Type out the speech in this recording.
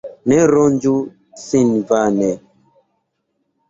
Ne ronĝu sin vane.